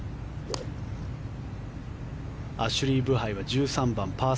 アシュリー・ブハイは１３番、パー３。